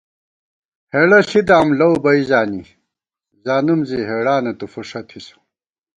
ہېڑہ ݪِی داوُم لَؤ بئ زانی، زانُوم زی ہېڑانہ تُو فُݭہ تھِسہ